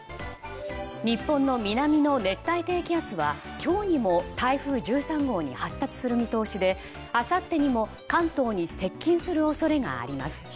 日本の南の熱帯低気圧は今日にも台風１３号に発達する見通しであさってにも関東に接近する恐れがあります。